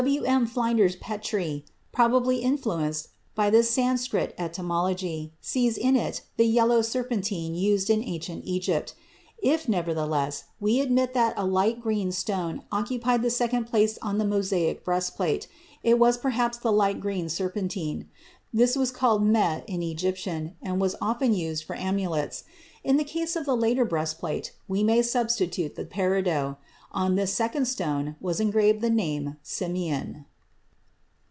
W. M. Flinders Petrie, probably influenced by this Sanskrit etymology, sees in it the yellow serpentine used in ancient Egypt. If, nevertheless, we admit that a light green stone occupied the second place on the Mosaic breastplate, it was perhaps the light green serpentine. This was called meh in Egyptian, and was often used for amulets. In the case of the later breastplate we may substitute the peridot. On this second stone was engraved the name Simeon.